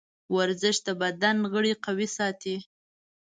ورزش د بدن غړي قوي ساتي.